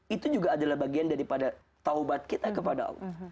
itu juga adalah bagian daripada taubat kita kepada allah